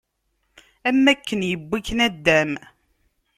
Am akken yewwi-k naddam.